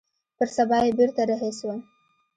پر سبا يې بېرته رهي سوم.